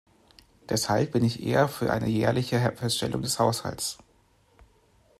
Deshalb bin ich eher für eine jährliche Feststellung des Haushalts.